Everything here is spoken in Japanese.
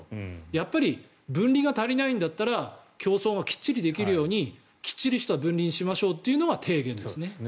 やっぱり分離が足りないんだったら競争がきっちりできるようにきっちりと分離しましょうというのが提言ですね。